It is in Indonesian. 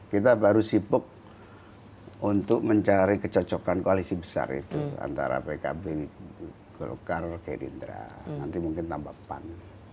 kita baru sibuk untuk mencari kecocokan koalisi besar itu antara pkb golkar gerindra nanti mungkin tambah pan